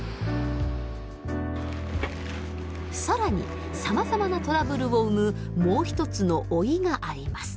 更にさまざまなトラブルを生むもう一つの「老い」があります。